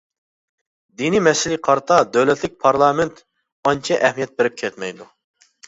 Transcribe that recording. دىنىي مەسىلىگە قارىتا دۆلەتلىك پارلامېنت ئانچە ئەھمىيەت بېرىپ كەتمەيدۇ.